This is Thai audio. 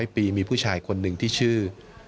ปีมีผู้ชายคนหนึ่งที่ชื่อ